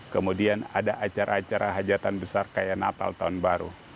kemudian ada acara acara hajatan besar kayak natal tahun baru